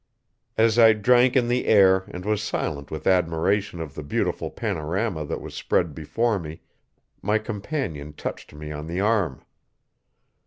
As I drank in the air and was silent with admiration of the beautiful panorama that was spread before me, my companion touched me on the arm.